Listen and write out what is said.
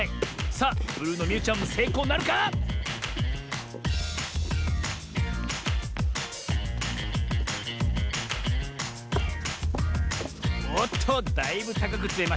さあブルーのみゆちゃんもせいこうなるか⁉おっとだいぶたかくつめましたねえ。